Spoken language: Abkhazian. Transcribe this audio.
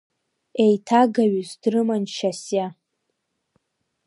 Еиҭагаҩыс дрыман Шьасиа.